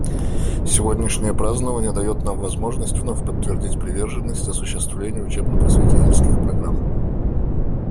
Сегодняшнее празднование дает нам возможность вновь подтвердить приверженность осуществлению учебно-просветительских программ.